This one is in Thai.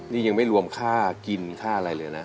นี่ยังไม่รวมค่ากินค่าอะไรเลยนะ